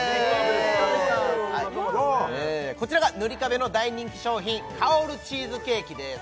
こちらがｎｕｒｉｋａｂｅの大人気商品香るチーズケーキです